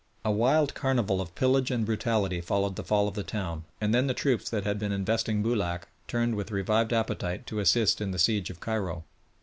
A wild carnival of pillage and brutality followed the fall of the town, and then the troops that had been investing Boulac turned with revived appetite to assist in the siege of Cairo.